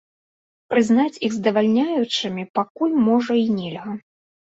Прызнаць іх здавальняючымі пакуль, можа, і нельга.